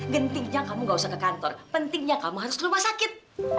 gentingnya kamu gak usah ke kantor pentingnya kamu harus ke rumah sakit